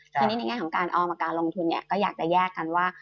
ทีนี้ในแง่ของการออมการลงทุนเนี่ยก็อยากจะแยกกันว่า